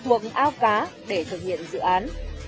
thuộc ao cá để thực hiện dự án